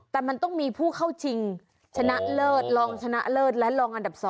แต่มันต้องมีผู้เข้าชิงชนะเลิศลองชนะเลิศและลองอันดับ๒